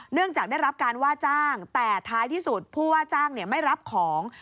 เนื่องจากได้รับการว่าจ้างแต่ท้ายที่สุดผู้ว่าจ้างไม่รับของ